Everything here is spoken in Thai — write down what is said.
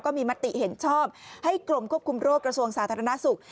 มีมติเห็นชอบให้กรมควบคุมโรคกระทรวงสาธารณสุข